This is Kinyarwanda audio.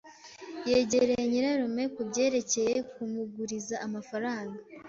Yegereye nyirarume kubyerekeye kumuguriza amafaranga.